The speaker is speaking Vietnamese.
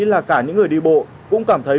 là cả những người đi bộ cũng cảm thấy